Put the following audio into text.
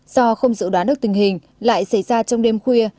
do không dự đoán được tình hình lại xảy ra trong đêm khuya